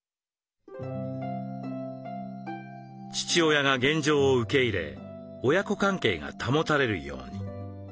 父親が現状を受け入れ親子関係が保たれるように。